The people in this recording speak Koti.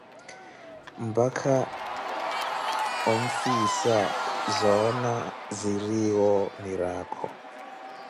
Mpakha onfhiisa zona ziriiwo miraakho.